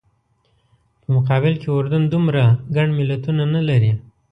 په مقابل کې اردن دومره ګڼ ملتونه نه لري.